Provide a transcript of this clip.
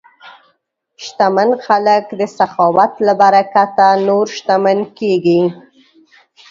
شتمن خلک د سخاوت له برکته نور شتمن کېږي.